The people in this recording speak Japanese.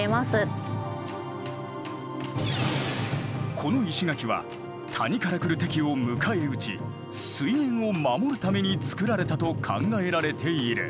この石垣は谷から来る敵を迎え撃ち水源を守るために造られたと考えられている。